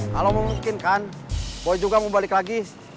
kalau mungkin kan boy juga mau balik lagi